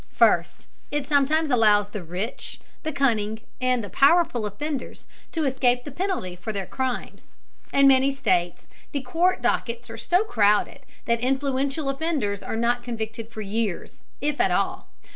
First, it sometimes allows the rich, the cunning, and the powerful offenders to escape the penalty for their crimes. In many states the court dockets are so crowded that influential offenders are not convicted for years, if at all.